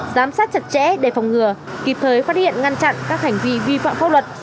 giám sát chặt chẽ để phòng ngừa kịp thời phát hiện ngăn chặn các hành vi vi phạm pháp luật